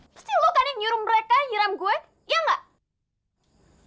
pasti lu kan yang nyuruh mereka nyiram gue ya nggak